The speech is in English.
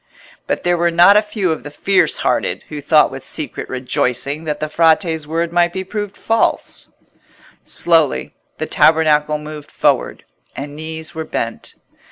But there were not a few of the fierce hearted who thought with secret rejoicing that the Frate's word might be proved false. Slowly the tabernacle moved forward, and knees were bent.